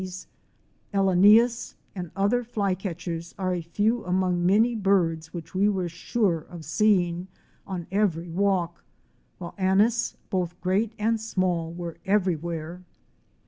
Woodhewers, Elanias 1" and other Flycatchers are a few among many birds which we were sure of seeing on every walk, while Anis, both great" and small * were everywhere.